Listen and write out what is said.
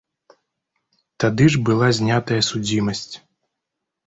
Тады ж была знятая судзімасць.